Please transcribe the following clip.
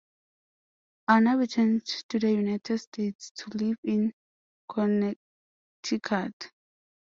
Anna returned to the United States, to live in Connecticut.